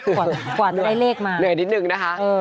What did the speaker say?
กว่าได้เลขมาหน่อยนิดหนึ่งนะคะเออ